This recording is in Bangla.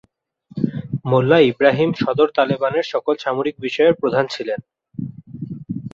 মোল্লা ইব্রাহিম সদর তালেবানের সকল সামরিক বিষয়ের প্রধান ছিলেন।